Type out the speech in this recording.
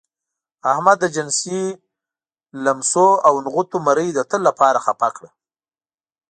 احمد د جنسي لمسو او نغوتو مرۍ د تل لپاره خپه کړه.